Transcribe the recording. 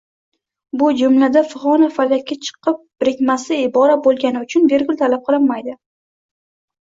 Bu jumlada fig‘oni falakka chiqib birikmasi ibora bo‘lgani uchun vergul talab qilmaydi.